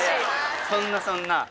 そんなそんな。